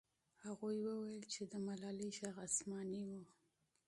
هغوی وویل چې د ملالۍ ږغ آسماني و.